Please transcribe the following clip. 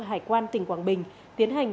hải quan tỉnh quảng bình tiến hành